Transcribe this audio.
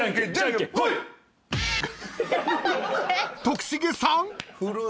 ［徳重さん！？］